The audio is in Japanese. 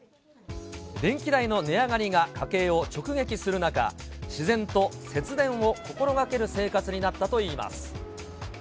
電気代の値上がりが家計を直撃する中、自然と節電を心がける生活になったといいます。